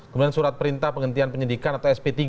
kemudian surat perintah penghentian penyidikan atau sp tiga